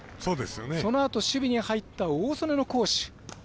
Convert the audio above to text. そのあと守備に入った大曽根の好守。